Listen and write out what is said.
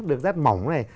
được rát mỏng này